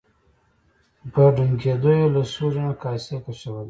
په ډونګیدو یې له سوري نه کاسې کشولې.